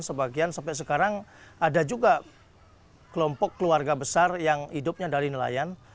sebagian sampai sekarang ada juga kelompok keluarga besar yang hidupnya dari nelayan